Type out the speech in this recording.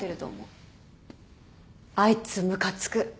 あいつムカつく。